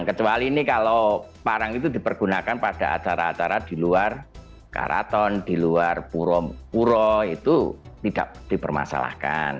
kecuali ini kalau parang itu dipergunakan pada acara acara di luar karaton di luar puro puro itu tidak dipermasalahkan